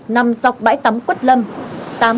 nằm dọc bãi tắm quất lâm